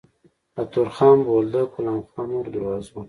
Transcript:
له تورخم، بولدک، غلام خان او نورو دروازو